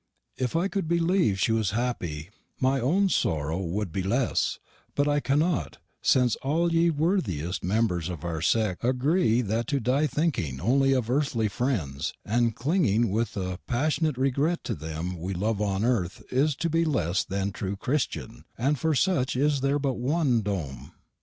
If I cou'd believe she was happy my owne sorow wou'd be lesse; but I canot, sence all ye worthyest memberrs of our seck agree that to die thinking onely of erthly frends, and clingeng with a passhunate regrett to them we luv on erth is to be lesse than a tru Xtian, and for sech their is but one dome."